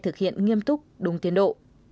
và kết thúc đúng tiến độ